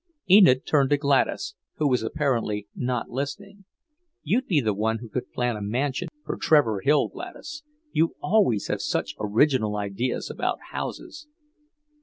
Enid turned to Gladys, who was apparently not listening. "You'd be the one who could plan a mansion for Trevor Hill, Gladys. You always have such original ideas about houses."